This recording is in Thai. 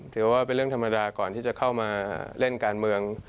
ถือว่าเป็นเรื่องธรรมดาก่อนที่จะเข้ามาเล่นการเมือง